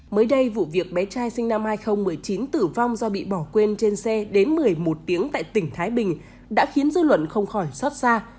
mới đây vụ việc bé trai sinh năm hai nghìn một mươi chín tử vong do bị bỏ quên trên xe đến một mươi một tiếng tại tỉnh thái bình đã khiến dư luận không khỏi xót xa